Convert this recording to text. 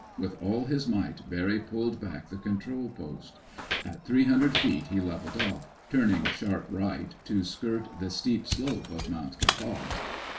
With all his might, Barry pulled back the control post. At three hundred feet he leveled off, turning sharp right, to skirt the steep slope of Mt. Kapal.